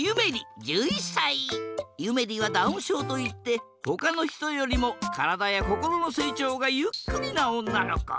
ゆめりはダウンしょうといってほかのひとよりもからだやこころのせいちょうがゆっくりなおんなのこ。